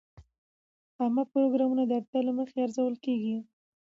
عامه پروګرامونه د اړتیا له مخې ارزول کېږي.